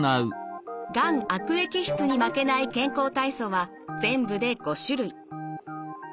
がん悪液質に負けない健康体操は全部で５種類。